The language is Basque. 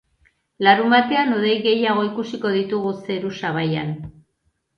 Larunbatean hodei gehiago ikusiko ditugu zeru-sabaian.